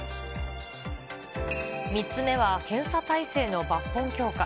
３つ目は検査体制の抜本強化。